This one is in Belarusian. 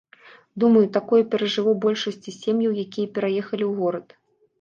Думаю, такое перажыло большасць сем'яў, якія пераехалі ў горад.